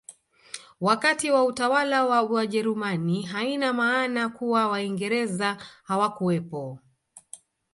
Wakati wa utawala wa wajerumani haina maana kuwa waingereza hawakuwepo